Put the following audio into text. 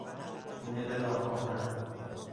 تونل راهآهن